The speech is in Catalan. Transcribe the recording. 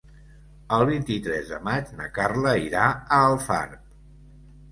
El vint-i-tres de maig na Carla irà a Alfarb.